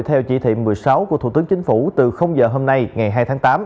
theo chỉ thị một mươi sáu của thủ tướng chính phủ từ giờ hôm nay ngày hai tháng tám